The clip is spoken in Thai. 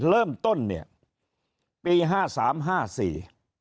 เริ่มต้นเนี่ยปี๕๓๕๔